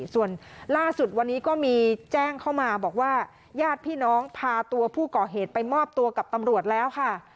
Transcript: ส่วนล่าสุดวันนี้ก็มีแจ้งเข้ามาบอกว่าญาติพี่น้องพาตัวผู้ก่อเหตุไปมอบตัวกับตำรวจแล้วค่ะ